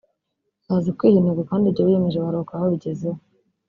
bazi kwiha intego kandi ibyo biyemje baruhuka babigezeho